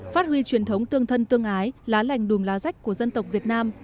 phát huy truyền thống tương thân tương ái lá lành đùm lá rách của dân tộc việt nam